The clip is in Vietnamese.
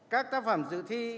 các tác phẩm dự thi